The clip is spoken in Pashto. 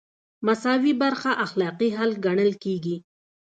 مساوي برخه اخلاقي حل ګڼل کیږي.